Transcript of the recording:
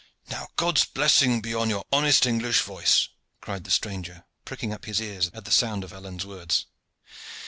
"Now, God's blessing on your honest English voice!" cried the stranger, pricking up his ears at the sound of Alleyne's words.